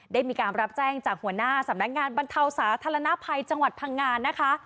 ได้รับแจ้งจากหัวหน้าสำนักงานบรรเทาสาธารณภัยจังหวัดพังงานนะคะ